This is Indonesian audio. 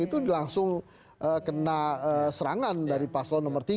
itu langsung kena serangan dari paslon nomor tiga